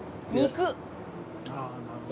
ああなるほどね。